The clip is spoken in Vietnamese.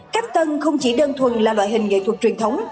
cách tân không chỉ đơn thuần là loại hình nghệ thuật truyền thống